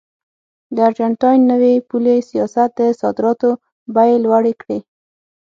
د ارجنټاین نوي پولي سیاست د صادراتو بیې لوړې کړې.